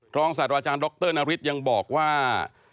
ทรงศาสตร์อาจารย์ดรนาริสยังบอกว่า